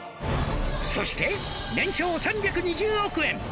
「そして年商３２０億円」